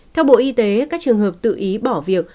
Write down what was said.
theo bộ y tế các trường hợp tự ý bỏ việc